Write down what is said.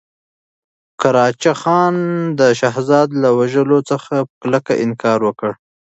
قراچه خان د شهزاده له وژلو څخه په کلکه انکار وکړ.